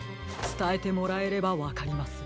つたえてもらえればわかります。